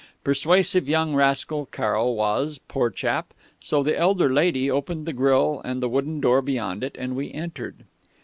Persuasive young rascal, Carroll Was poor chap ... So the elder lady opened the grille and the wooden door beyond it, and we entered.